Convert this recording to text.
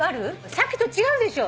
さっきと違うでしょ？